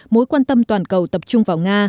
mối quan tâm toàn cầu tập trung vào nga